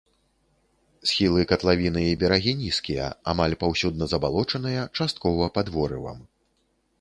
Схілы катлавіны і берагі нізкія, амаль паўсюдна забалочаныя, часткова пад ворывам.